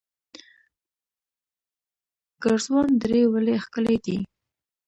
ګرزوان درې ولې ښکلې دي؟